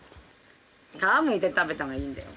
皮むいて食べたほうがいいんだよ。